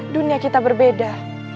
dunia kita berbeda